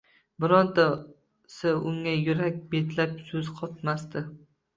Birontasi unga yurak betlab so‘z qotmasdi